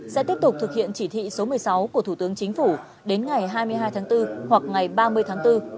sẽ tiếp tục thực hiện chỉ thị số một mươi sáu của thủ tướng chính phủ đến ngày hai mươi hai tháng bốn hoặc ngày ba mươi tháng bốn